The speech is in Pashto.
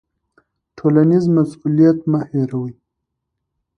ټولنیز مسوولیت مه هیروئ.